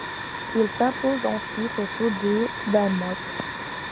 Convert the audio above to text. Il s'impose ensuite au Tour du Danemark.